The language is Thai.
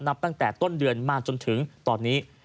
นับตั้งแต่ต้นเดือนมาจนถึงตอนนี้